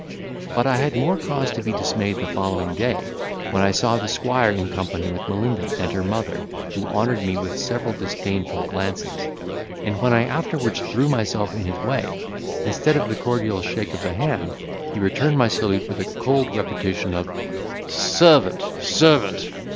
But I had more cause to be dismayed the following day, when I saw the squire in company with Melinda and her mother, who honoured me with several disdainful glances; and when I afterwards threw myself in his way, instead of the cordial shake of the hand, he returned my salute with a cold repetition of "Servant, servant!"